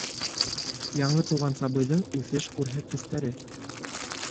Яңы тыуған сабыйҙың үҫеш күрһәткестәре